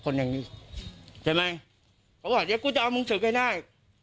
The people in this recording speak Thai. คนอย่างนี้เขาบอกเดี๋ยวกูจะเอามึงสืบไกลได้